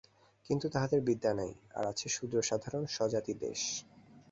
কিন্তু তাহাদের বিদ্যা নাই, আর আছে শূদ্রসাধারণ স্বজাতিদ্বেষ।